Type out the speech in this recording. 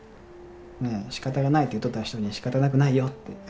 しかたがないと言っとった人にしかたなくないよと。